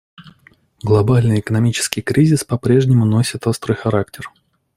Глобальный экономический кризис попрежнему носит острый характер.